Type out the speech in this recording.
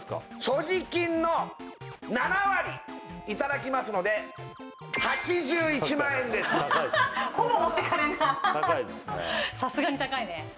所持金の７割いただきますので８１万円ですほぼ持ってかれるな高いですね